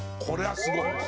これはすごい。